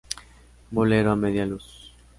Bolero a media luz.